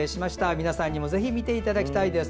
皆さんにもぜひ見ていただきたいです。